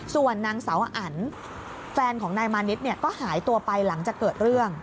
ส่วนนางเสาอันแฟนของนายมานิดก็หายตัวไปหลังจากเกิดเรื่อง